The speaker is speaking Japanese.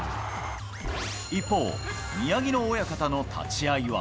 一方、宮城野親方の立ち合いは。